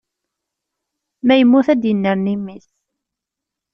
Ma yemmut ad d-yennerni mmi-s